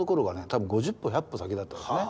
多分５０歩１００歩先だったんですね。